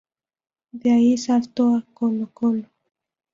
De ahí salto a Colo-Colo.